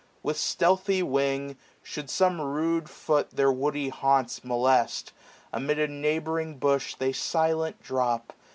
With stealthy wing. Should some rude foot their woody haunts molest, Amid a neighbouring bush they silent drop.